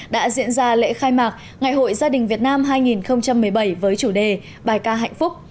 đã diễn ra lễ khai mạc ngày hội gia đình việt nam hai nghìn một mươi bảy với chủ đề bài ca hạnh phúc